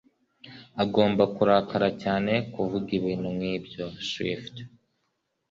Agomba kurakara cyane kuvuga ibintu nkibyo. (Swift)